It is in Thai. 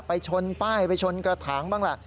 ไปชนป้ายไปชนกระถางบ้างล่ะ